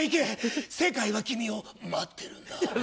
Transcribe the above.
世界は君を待ってるんだ。